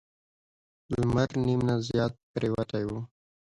لمر نیم نه زیات پریوتی و.